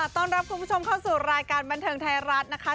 ต้อนรับคุณผู้ชมเข้าสู่รายการบันเทิงไทยรัฐนะคะ